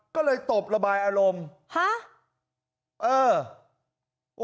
ก็เลยตบระบายอารมณ์ฮะเออ